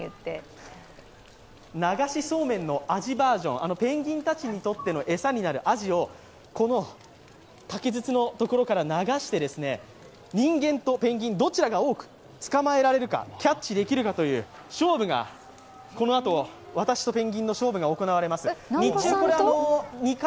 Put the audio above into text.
流しそうめんのアジバージョンペンギンたちの餌になるアジを、竹筒のところから流して人間とペンギンどちらが多くキャッチできるかという勝負がこのあと、私とペンギンの勝負が行われます。